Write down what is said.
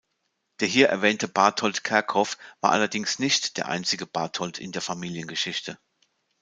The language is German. Der hier erwähnte Bartold Kerkhoff war allerdings nicht der einzige Bartold in der Familiengeschichte.